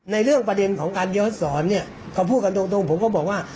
ในเรื่องประเด็นของการย้อนสอนเนี่ยเขาพูดกันตรงผมก็บอกว่า